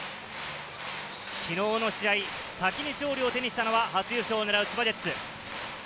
昨日の試合、先に勝利を手にしたのは初優勝をねらう千葉ジェッツ。